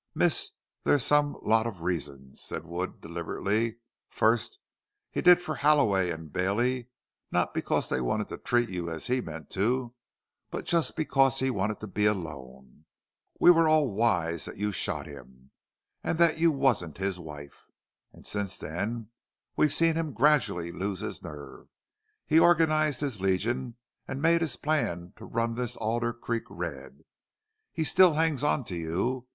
"Miss, there's some lot of reasons," said Wood, deliberately. "Fust, he did for Halloway an' Bailey, not because they wanted to treat you as he meant to, but just because he wanted to be alone. We're all wise thet you shot him an' thet you wasn't his wife. An' since then we've seen him gradually lose his nerve. He organized his Legion an' makes his plan to run this Alder Creek red. He still hangs on to you.